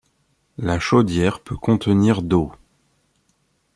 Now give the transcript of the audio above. La chaudière peut contenir d'eau.